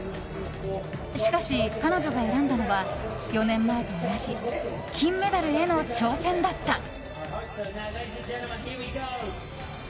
しかし、彼女が選んだのは４年前と同じ金メダルへの挑戦だった。